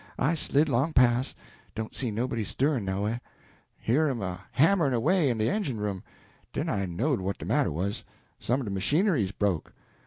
I slid 'long pas' don't see nobody stirrin' nowhah hear 'em a hammerin' away in de engine room, den I knowed what de matter was some o' de machinery's broke.